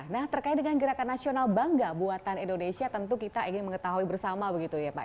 nah terkait dengan gerakan nasional bangga buatan indonesia tentu kita ingin mengetahui bersama begitu ya pak